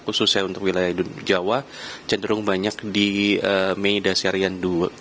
khususnya untuk wilayah jawa cenderung banyak di mei dan siarian tiga